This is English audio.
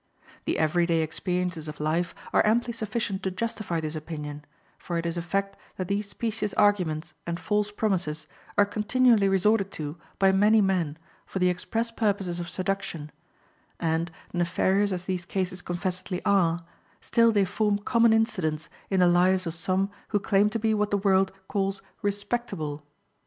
The every day experiences of life are amply sufficient to justify this opinion, for it is a fact that these specious arguments and false promises are continually resorted to by many men for the express purposes of seduction; and, nefarious as these cases confessedly are, still they form common incidents in the lives of some who claim to be what the world calls respectable!